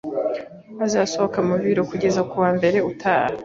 azasohoka mu biro kugeza kuwa mbere utaha.